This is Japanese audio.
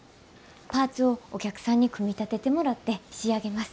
パーツをお客さんに組み立ててもらって仕上げます。